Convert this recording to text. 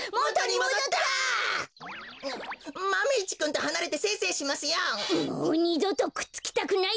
もう２どとくっつきたくないね！